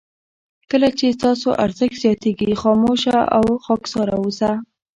کله چې ستاسو ارزښت زیاتېږي خاموشه او خاکساره اوسه.